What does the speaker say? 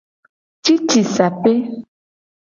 Cicisape.